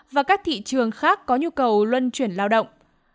và các thị trường khác có nhu cầu luân chuyển lao động